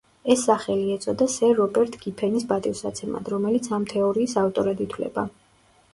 ეს სახელი ეწოდა სერ რობერტ გიფენის პატივსაცემად, რომელიც ამ თეორიის ავტორად ითვლება.